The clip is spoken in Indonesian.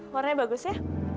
warnanya bagus ya